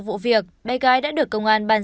vụ việc bé gái đã được công an bàn